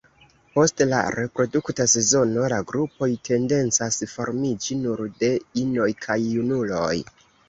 Post la reprodukta sezono la grupoj tendencas formiĝi nur de inoj kaj junuloj.